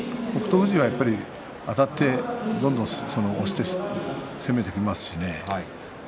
富士はやはりあたってどんどん押して攻めてきます。